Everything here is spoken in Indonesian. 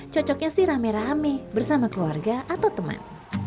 cocoknya sih rame rame bersama keluarga atau teman